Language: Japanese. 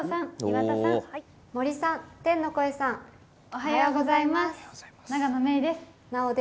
おはようございます。